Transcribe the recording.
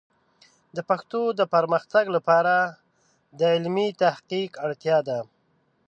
د پښتو د پرمختګ لپاره د علمي تحقیق اړتیا ده.